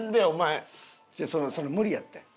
無理やって。